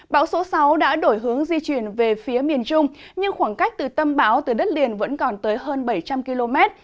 bão số sáu đã đổi hướng di chuyển về phía miền trung nhưng khoảng cách từ tâm bão từ đất liền vẫn còn tới hơn bảy trăm linh km